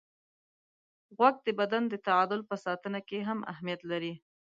غوږ د بدن د تعادل په ساتنه کې هم اهمیت لري.